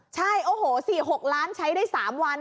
ใช่โอ้โห๔๖ล้านใช้ได้๓วัน